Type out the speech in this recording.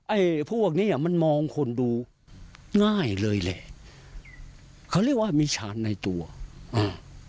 ไอ้พวกเนี้ยมันมองคนดูง่ายเลยแหละเขาเรียกว่ามีชาญในตัวอ่า